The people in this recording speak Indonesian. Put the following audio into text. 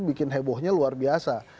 bikin hebohnya luar biasa